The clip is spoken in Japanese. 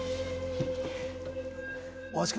大橋君